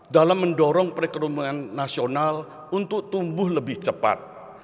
dalam mendorong perekonomian nasional untuk tumbuh lebih cepat